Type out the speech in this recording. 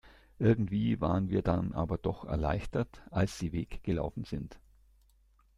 Irgendwie waren wir dann aber doch erleichtert, als sie weg gelaufen sind.